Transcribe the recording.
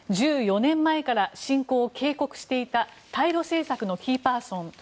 １１４年前から侵攻を警告していた対ロ政策のキーパーソン